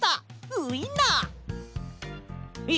ウインナー！え！？